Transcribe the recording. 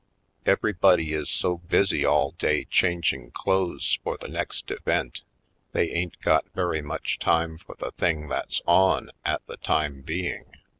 Everybody is so busy all day changing clothes for the next event they ain't got very much time for the thing that's on at the time being.